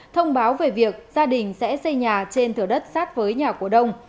thông báo về việc gia đình sẽ xây nhà trên thửa đất sát với nhà cổ đông